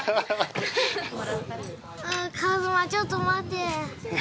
ちょっと待って。